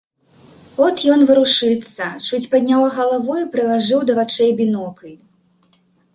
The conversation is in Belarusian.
От ён варушыцца, чуць падняў галаву і прылажыў да вачэй бінокль.